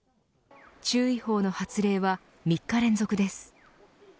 注意報の発令は３日連続です。